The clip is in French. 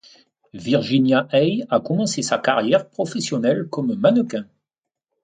Virginia Hey a commencé sa carrière professionnelle comme mannequin.